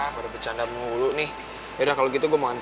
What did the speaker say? terima kasih banget